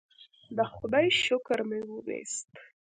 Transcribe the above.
د خدای شکر مې وویست.